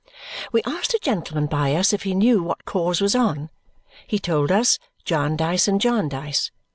We asked a gentleman by us if he knew what cause was on. He told us Jarndyce and Jarndyce.